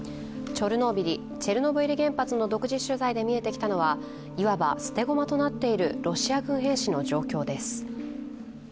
チョルノービリ、チェルノブイリ原発の独自取材で見えてきたのはいわば捨て駒となっているロシア軍兵士の状況です。